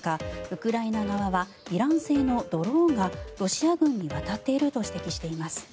ウクライナ側はイラン製のドローンがロシア軍に渡っていると指摘しています。